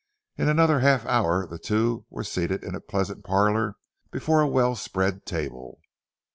In another half hour the two were seated in a pleasant parlour before a well spread table.